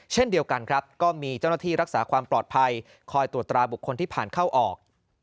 เช่นเดียวกันครับก็มีเจ้าหน้าที่รักษาความปลอดภัยคอยตรวจตราบุคคลที่ผ่านเข้าออก